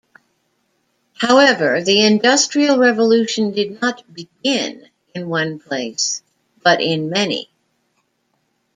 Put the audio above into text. However, the industrial revolution did not "begin" in one place, but in many.